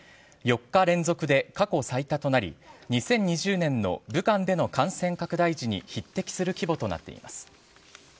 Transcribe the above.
４日連続で過去最多となり、２０２０年の武漢での感染拡大時に匹敵する規模となっています。